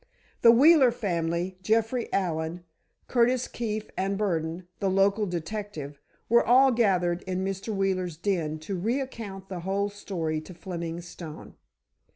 The Wheeler family, Jeffrey Allen, Curtis Keefe, and Burdon, the local detective, were all gathered in Mr. Wheeler's den to recount the whole story to Fleming Stone.